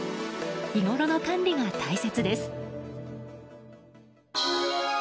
日ごろの管理が大切です。